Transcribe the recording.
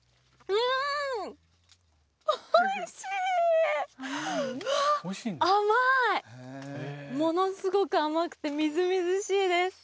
うわ甘いものすごく甘くてみずみずしいです